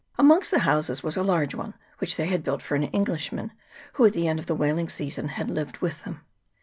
Amongst the houses was a large one, which they had built for an Englishman, who at the end of the whaling season lived with them.